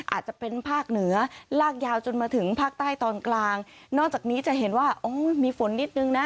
อาจจะเป็นภาคเหนือลากยาวจนมาถึงภาคใต้ตอนกลางนอกจากนี้จะเห็นว่าโอ้ยมีฝนนิดนึงนะ